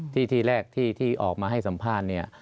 ที่ที่แรกที่ออกมาให้สัมภาษณ์เนี่ย